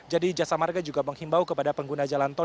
jadi jasa marka juga menghimbau kepada pengguna jalan tol